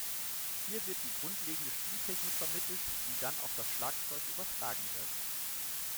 Hier wird die grundlegende Spieltechnik vermittelt, die dann auf das Schlagzeug übertragen wird.